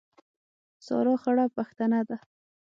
سارا خړه پښتنه ده.